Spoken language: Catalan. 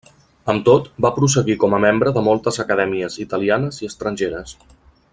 Amb tot, va prosseguir com a membre de moltes acadèmies italianes i estrangeres.